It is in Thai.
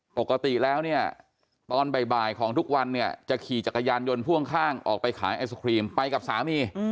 ปกติแล้วเนี่ยตอนบ่ายของทุกวันเนี่ยจะขี่จักรยานยนต์พ่วงข้างออกไปขายไอศครีมไปกับสามี